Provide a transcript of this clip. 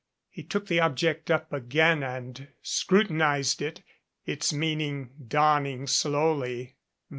He took the object up again and scrutinized it, its meaning dawning slowly.